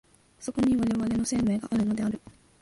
そこに我々の生命があるのである。